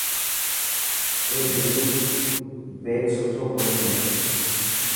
اي بلو بيگ سٺو ڪوني هي.